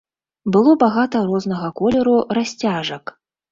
Было багата рознага колеру расцяжак.